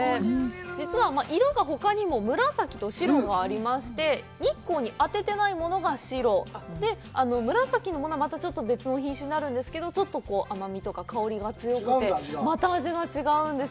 実は色がほかにも紫と白がありまして、日光に当ててないものが白、紫のものはまたちょっと別の品種になるんですけど、ちょっと甘みとか香りが強くて、また味が違うんです。